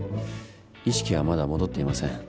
意識はまだ戻っていません。